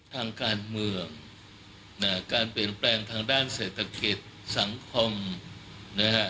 ทางการเมืองนะฮะการเปลี่ยนแปลงทางด้านเศรษฐกิจสังคมนะฮะ